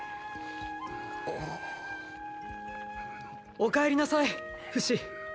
おかえりなさいフシ。